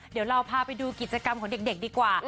เดี๋ยวเราพาไปดูกิจกรรมของเด็กดีกว่า